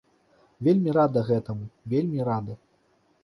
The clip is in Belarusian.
Вельмі рада гэтаму, вельмі рада.